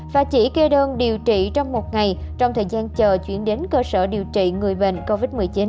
và chỉ kê đơn điều trị trong một ngày trong thời gian chờ chuyển đến cơ sở điều trị người bệnh covid một mươi chín